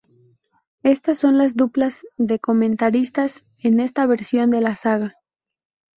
Estas son las duplas de comentaristas en esta versión de la saga.